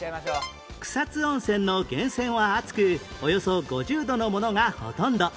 草津温泉の源泉は熱くおよそ５０度のものがほとんど